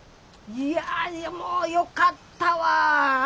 いやでもよかったわあ。